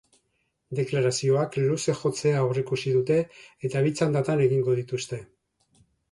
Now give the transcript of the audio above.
Deklarazioak luze jotzea aurreikusi dute eta bi txandatan egingo dituzte.